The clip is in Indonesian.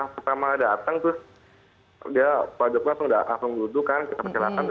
pertama datang terus dia pak jokowi langsung duduk kan kita perkenalkan